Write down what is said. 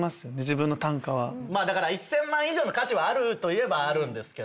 まあ１，０００万以上の価値はあると言えばあるんですけど。